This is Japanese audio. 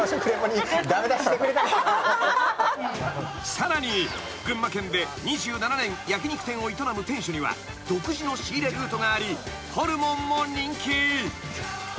［さらに群馬県で２７年焼き肉店を営む店主には独自の仕入れルートがありホルモンも人気］